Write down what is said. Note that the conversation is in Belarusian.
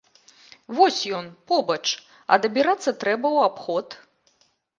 Вось ён, побач, а дабірацца трэба ў абход.